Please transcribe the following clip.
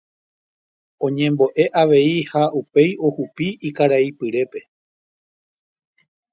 Oñembo'e avei ha upéi ohypýi ykaraipyrépe.